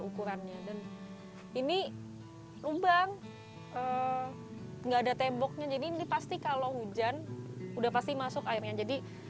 ukurannya dan ini lubang enggak ada temboknya jadi ini pasti kalau hujan udah pasti masuk airnya jadi